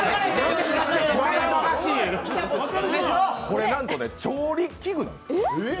これ、なんと調理器具なんです。